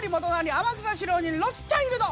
天草四郎にロスチャイルド！